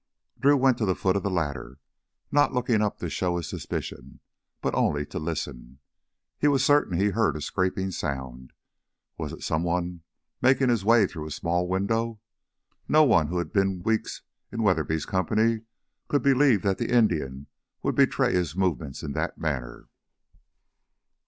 Drew went to the foot of the ladder, not looking up to show his suspicion, but only to listen. He was certain he heard a scraping sound. Was it someone making his way through a small window? No one who had been weeks in Weatherby's company could believe that the Indian would betray his movements in that manner.